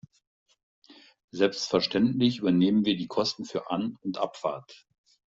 Selbstverständlich übernehmen wir die Kosten für An- und Abfahrt.